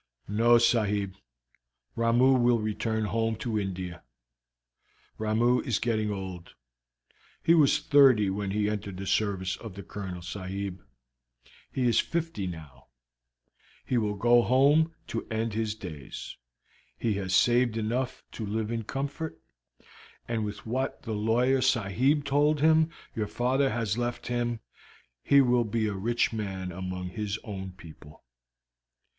"No, sahib, Ramoo will return home to India. Ramoo is getting old; he was thirty when he entered the service of the Colonel, sahib; he is fifty now; he will go home to end his days; he has saved enough to live in comfort, and with what the lawyer sahib told him your father has left him he will be a rich man among his own people."